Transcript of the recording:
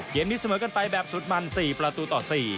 เกมนี้เสมอกันไปแบบสุดมัน๔ประตูต่อ๔